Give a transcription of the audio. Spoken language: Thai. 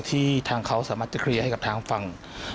ที่ทางเขาสามารถจะเคลียร์ให้กับทางฝั่ง